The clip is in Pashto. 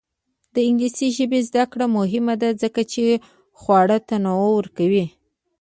د انګلیسي ژبې زده کړه مهمه ده ځکه چې خواړه تنوع ورکوي.